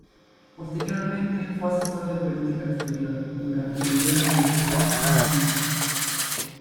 Posteriormente fue asesor de política exterior, durante el gobierno de John Atta Mills.